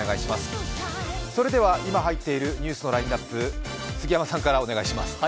それでは今入っているニュースのラインナップ、杉山さんからお願いします。